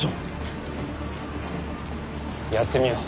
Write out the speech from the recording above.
やってみよ。